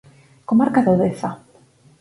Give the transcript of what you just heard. Comarca do Deza.